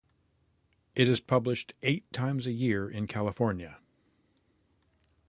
It is published eight times a year in California.